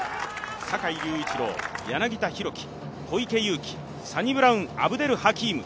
坂井隆一郎、柳田大輝、小池祐貴、サニブラウン・アブデル・ハキーム。